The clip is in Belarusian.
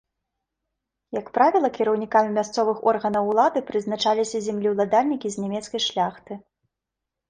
Як правіла, кіраўнікамі мясцовых органаў улады прызначаліся землеўладальнікі з нямецкай шляхты.